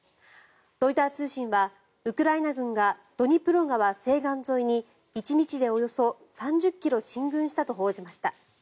ロイター通信はウクライナ軍がドニプロ川西岸沿いに１日でおよそ３０ｋｍ進軍したと報じました。